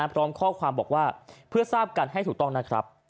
พร้อมข้อความบอกว่าเพื่อทราบกันให้ถูกต้องนะครับ